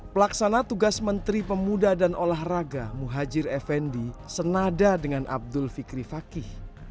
pelaksana tugas menteri pemuda dan olahraga muhajir effendi senada dengan abdul fikri fakih